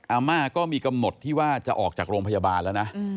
อาม่าก็มีกำหนดที่ว่าจะออกจากโรงพยาบาลแล้วนะ